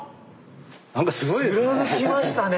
何かすごいですね！